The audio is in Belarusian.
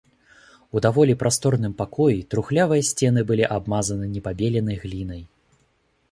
У даволі прасторным пакоі трухлявыя сцены былі абмазаны непабеленай глінай.